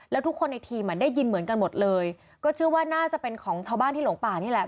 แล้วทุกคนในทีมอ่ะได้ยินเหมือนกันหมดเลยก็เชื่อว่าน่าจะเป็นของชาวบ้านที่หลงป่านี่แหละ